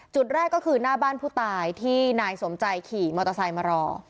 จุดแรกก็คือหน้าบ้านผู้ตายที่นายสมใจขี่มอเตอร์ไซค์มารอ